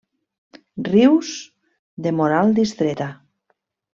Rius, de Moral Distreta.